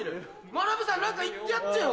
まなぶさん何か言ってやってよ。